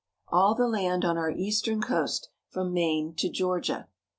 all the land on our eastern coast from Maine to Georgia.